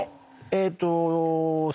えーっと。